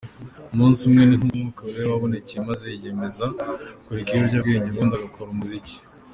Umunsi umwe, ni nk’umwuka wera wamubonekeye maze yiyemeza kureka ibiyobyebwenga ubundi agakora umuziki.